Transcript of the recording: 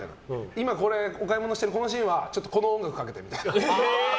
今、お買い物してるこのシーンはこの音楽かけてみたいな。